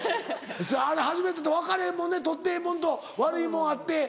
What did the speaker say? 初めてって分かれへんもんね取ってええもんと悪いもんあって。